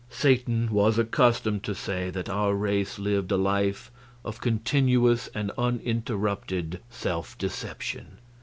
Satan was accustomed to say that our race lived a life of continuous and uninterrupted self deception.